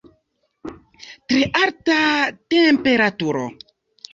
Tre alta temperaturo.